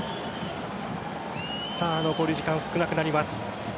残り時間少なくなります。